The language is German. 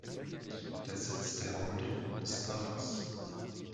Der Sitz der Holding ist Paris.